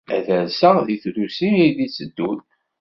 Ad rseɣ deg trusi ay d-itteddun.